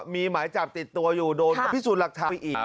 มีไหมจับติดตัวอยู่โดนอภิสุดหลักทางอีก